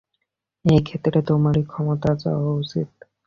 এ ক্ষেত্রে তোমারই ক্ষমা চাওয়া উচিত।